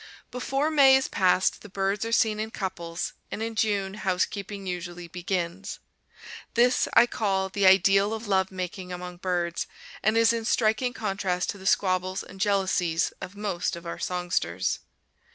Before May is passed the birds are seen in couples, and in June housekeeping usually begins. This I call the ideal of love making among birds, and is in striking contrast to the squabbles and jealousies of most of our songsters.